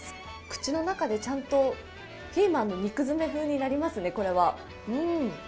口の中でちゃんと、ピーマンの肉詰め風になりますね、これは。